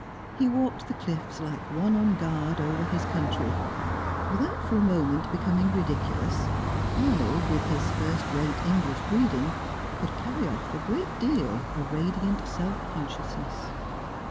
He walked the cliffs like one on guard over his country. Without for a moment becoming ridiculous, Arnold, with his first rate English breeding, could carry off a great deal of radiant self consciousness.